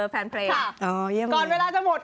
แฟนเพลงก่อนเวลาจะหมด